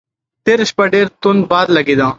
تېره شپه ډېر توند باد لګېده.